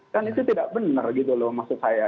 kan itu tidak benar gitu loh maksud saya